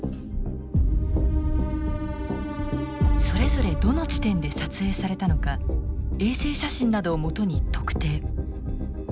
それぞれどの地点で撮影されたのか衛星写真などを基に特定。